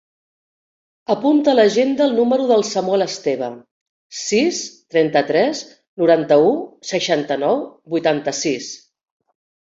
Apunta a l'agenda el número del Samuel Esteva: sis, trenta-tres, noranta-u, seixanta-nou, vuitanta-sis.